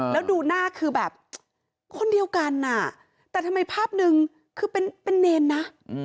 แล้วดูหน้าคือแบบคนเดียวกันอ่ะแต่ทำไมภาพนึงคือเป็นเนรนะ